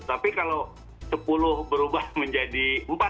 tapi kalau sepuluh berubah menjadi empat